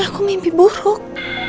aku mimpi buruk